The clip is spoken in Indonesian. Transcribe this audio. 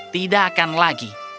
tidak akan lagi